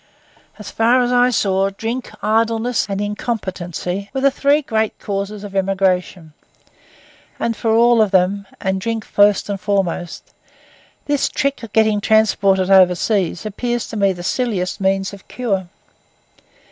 As far as I saw, drink, idleness, and incompetency were the three great causes of emigration, and for all of them, and drink first and foremost, this trick of getting transported overseas appears to me the silliest means of cure.